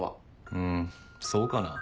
うんそうかな。